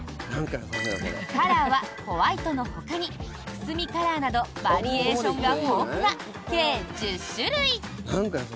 カラーは、ホワイトのほかにくすみカラーなどバリエーションが豊富な計１０種類。